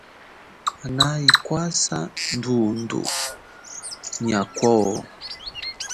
Hanayi kwasa ndhundhu nyakowo.